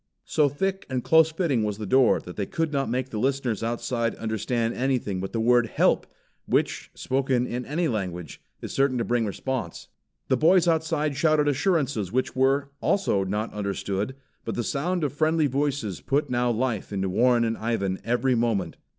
So thick and close fitting was the door that they could not make the listeners outside understand anything but the word "Help!" which, spoken in any language, is certain to bring response. The boys outside shouted assurances which were, also not understood, but the sound of friendly voices put now life into Warren and Ivan every moment.